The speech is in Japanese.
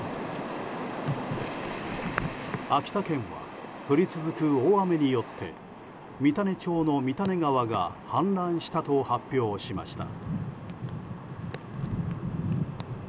秋田県は降り続く大雨によって三種町の三種川が氾濫したと発表しました。